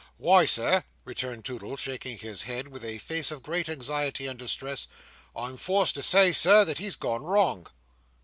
"Why, Sir," returned Toodle, shaking his head with a face of great anxiety and distress, "I'm forced to say, Sir, that he's gone wrong."